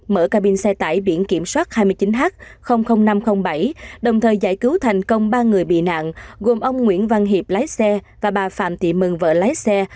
mở cabin xe tải biển kiểm soát hai mươi chín h năm trăm linh bảy đồng thời giải cứu thành công ba người bị nạn gồm ông nguyễn văn hiệp lái xe và bà phạm thị mừng vợ lái xe